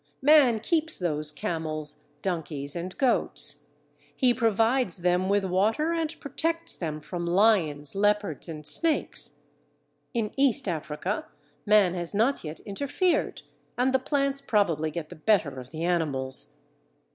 Man keeps those camels, donkeys, and goats. He provides them with water and protects them from lions, leopards, and snakes. In East Africa man has not yet interfered, and the plants probably get the better of the animals.